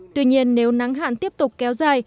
tuy nhiên nếu nắng hạn tiếp tục kéo dài